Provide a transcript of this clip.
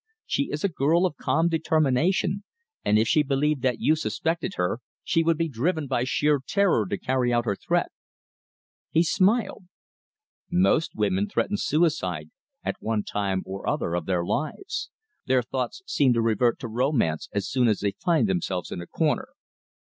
She is a girl of calm determination, and if she believed that you suspected her she would be driven by sheer terror to carry out her threat." He smiled. "Most women threaten suicide at one time or other of their lives. Their thoughts seem to revert to romance as soon as they find themselves in a corner.